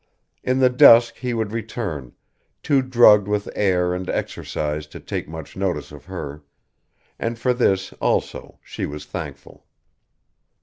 In the dusk he would return, too drugged with air and exercise to take much notice of her, and for this also she was thankful.